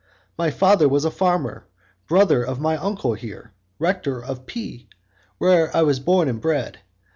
My father was a farmer, brother of my uncle here, rector of P , where I was born and bred.